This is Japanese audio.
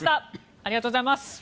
ありがとうございます。